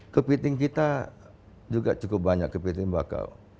kepiting kita juga cukup banyak kepiting bakau